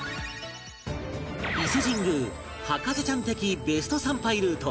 伊勢神宮博士ちゃん的ベスト参拝ルート